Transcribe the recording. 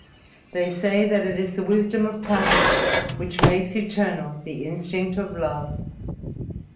They say that it is the wisdom of passion which makes eternal the instinct of love.